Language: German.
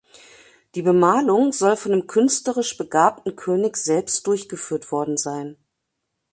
Die Bemalung soll von dem künstlerisch begabten König selbst durchgeführt worden sein.